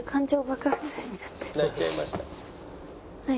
「泣いちゃいました」。